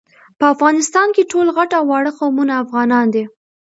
په افغانستان کي ټول غټ او واړه قومونه افغانان دي